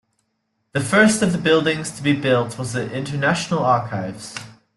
The first of the buildings to be built was the International Archives.